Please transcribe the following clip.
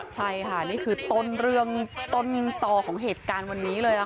ใช่ค่ะนี่คือต้นเรื่องต้นต่อของเหตุการณ์วันนี้เลย